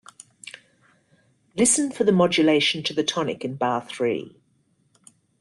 Listen for the modulation to the tonic in bar three.